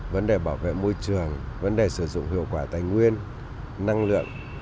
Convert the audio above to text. vấn đề bảo vệ môi trường vấn đề sử dụng hiệu quả tài nguyên năng lượng